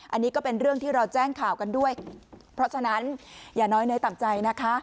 อันนี้ก็เป็นเรื่องที่เราแจ้งข่าวกันด้วยเพราะฉะนั้นอย่าน้อยเนื้อต่ำใจนะคะ